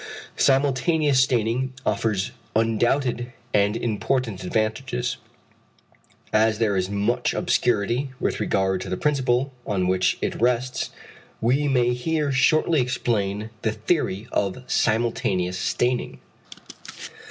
Simultaneous staining offers undoubted and important advantages. As there is much obscurity with regard to the principle on which it rests we may here shortly explain the theory of simultaneous staining.